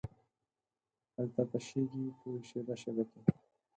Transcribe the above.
هلته تشېږې په شیبه، شیبه کې